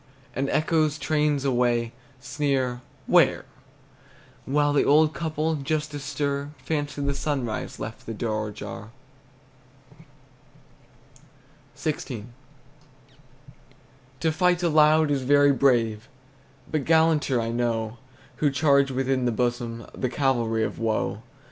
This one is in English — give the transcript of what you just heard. And echoes, trains away, Sneer "Where?" While the old couple, just astir, Fancy the sunrise left the door ajar! XVI. To fight aloud is very brave, But gallanter, I know, Who charge within the bosom, The cavalry of woe.